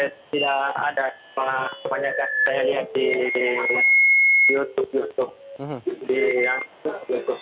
tidak ada banyak yang saya lihat